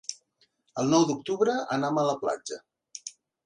El nou d'octubre anam a la platja.